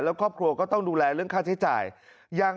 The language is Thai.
แล้วครอบครัวก็ต้องดูแลเรื่องค่าใช้จ่าย